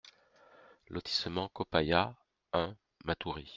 Lotissement Copaya un, Matoury